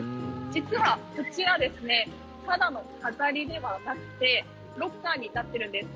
実はこちらただの飾りではなくてロッカーになっているんです。